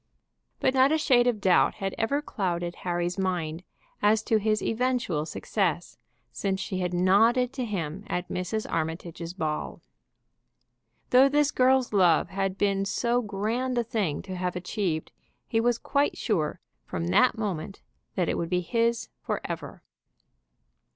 But not a shade of doubt had ever clouded Harry's mind as to his eventual success since she had nodded to him at Mrs. Armitage's ball. Though this girl's love had been so grand a thing to have achieved, he was quite sure from that moment that it would be his forever.